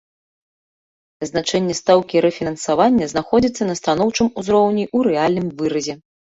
Значэнне стаўкі рэфінансавання знаходзіцца на станоўчым узроўні ў рэальным выразе.